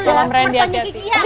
selamat merendi aki aki